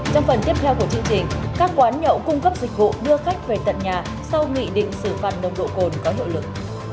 trong phần tiếp theo của chương trình các quán nhậu cung cấp dịch vụ đưa khách về tận nhà sau nghị định xử phạt nồng độ cồn có hiệu lực